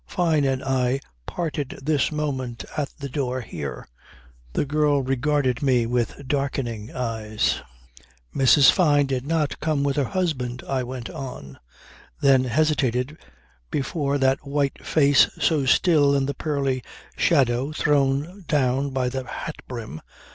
Fyne and I parted this moment at the door here ..." The girl regarded me with darkening eyes ... "Mrs. Fyne did not come with her husband," I went on, then hesitated before that white face so still in the pearly shadow thrown down by the hat brim.